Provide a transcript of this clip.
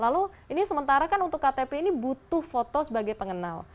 lalu ini sementara kan untuk ktp ini butuh foto sebagai pengenal